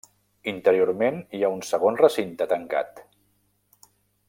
Interiorment hi ha un segon recinte tancat.